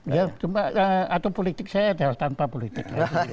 ya cuma atau politik saya adalah tanpa politik